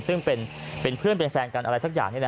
ซึ่งเป็นเพื่อนเป็นแฟนกันอะไรสักอย่าง